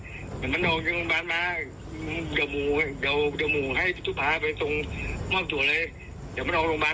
เดี๋ยวมันออกโรงพยาบาลมาเดี๋ยวมูกยิงมัน